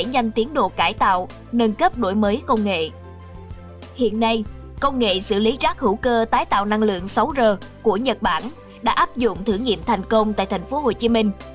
hiện nay công nghệ xử lý rác hữu cơ tái tạo năng lượng sáu r của nhật bản đã áp dụng thử nghiệm thành công tại tp hcm